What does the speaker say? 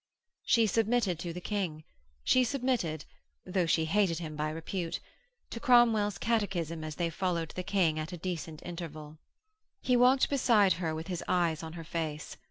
She submitted to the King; she submitted though she hated him by repute to Cromwell's catechism as they followed the King at a decent interval. He walked beside her with his eyes on her face.